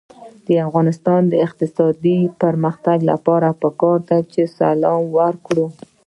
د افغانستان د اقتصادي پرمختګ لپاره پکار ده چې سلام وکړو.